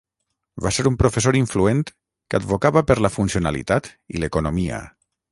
Va ser un professor influent que advocava per la funcionalitat i l'economia.